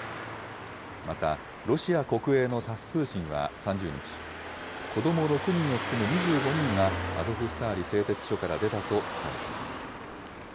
また、ロシア国営のタス通信は３０日、子ども６人を含む２５人が、アゾフスターリ製鉄所から出たと伝えています。